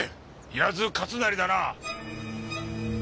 谷津勝成だな？